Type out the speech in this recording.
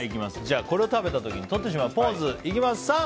これを食べた時に取ってしまうポーズ